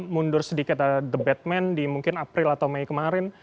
mundur sedikit the batman di mungkin april atau mei kemarin